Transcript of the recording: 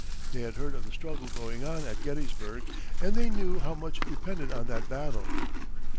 They had heard of the struggle going on at Gettysburg, and they knew how much depended on that battle.